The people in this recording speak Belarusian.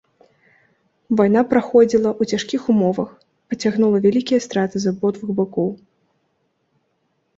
Вайна праходзіла ў цяжкіх умовах, пацягнула вялікія страты з абодвух бакоў.